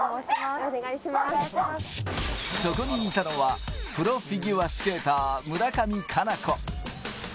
そこにいたのは、プロフィギュアスケーター、村上佳菜子。